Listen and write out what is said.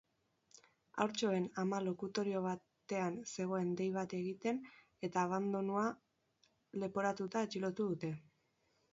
Haurtxoen ama lokutorio batean zegoen dei bat egiten eta abandonua leporatuta atxilotu dute.